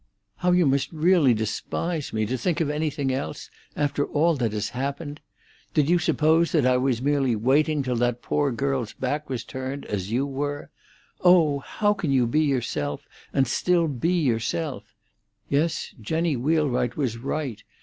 How you must really despise me, to think of anything else, after all that has happened! Did you suppose that I was merely waiting till that poor girl's back was turned, as you were? Oh, how can you be yourself, and still be yourself? Yes, Jenny Wheelwright was right.